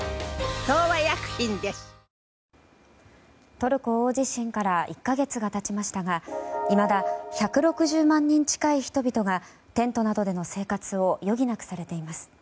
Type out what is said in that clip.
トルコ大地震から１か月が経ちましたがいまだ、１６０万人近い人々がテントなどでの生活を余儀なくされています。